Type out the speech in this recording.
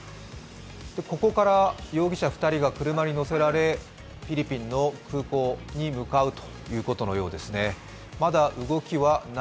ここから容疑者２人が車に乗せられフィリピンの空港に向かうということのようですね。